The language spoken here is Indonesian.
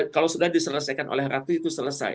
kalau sudah diselesaikan oleh ratu itu selesai